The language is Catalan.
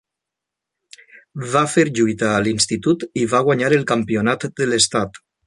Va fer lluita a l'institut i va guanyar el campionat de l'estat.